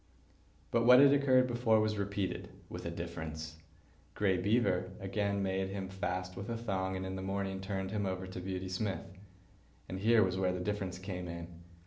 But what had occurred before was repeated—with a difference. Grey Beaver again made him fast with a thong, and in the morning turned him over to Beauty Smith. And here was where the difference came in.